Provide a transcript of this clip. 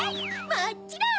もちろん！